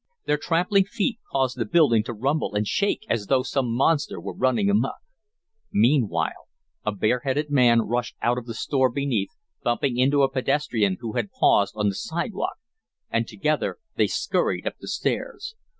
Their trampling feet caused the building to rumble and shake as though some monster were running amuck. Meanwhile a bareheaded man rushed out of the store beneath, bumping into a pedestrian who had paused on the sidewalk, and together they scurried up the stairs.